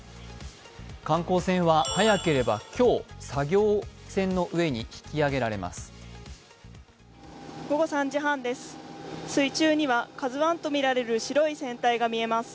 観光船は早ければ今日、作業船の上に引き揚げられます。